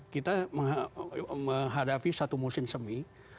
kita menghadapi satu musim semi